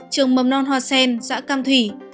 trường mầm non hoa sen xã cam thủy